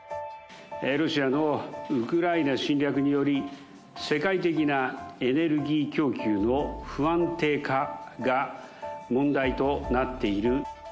ロシアのウクライナ侵略により、世界的なエネルギー供給の不安定化が問題となっている。